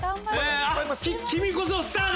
『君こそスターだ』。